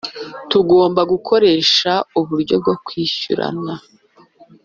Tugomba gukoresha uburyo bwo kwishyurana